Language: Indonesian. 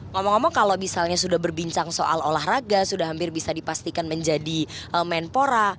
ngomong ngomong kalau misalnya sudah berbincang soal olahraga sudah hampir bisa dipastikan menjadi menpora